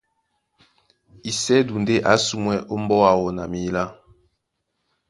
Isɛ́du ndé a ásumwɛ́ ómbóá áō na mǐlá,